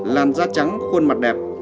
làn da trắng khuôn mặt đẹp